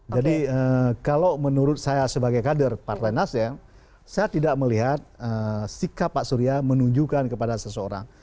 jadi kalau menurut saya sebagai kader partai nasional saya tidak melihat sikap pak surya menunjukkan kepada seseorang